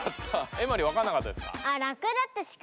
エマリわかんなかったですか？